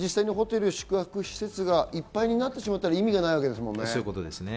宿泊施設がいっぱいになってしまったら意味がないわけですもんね。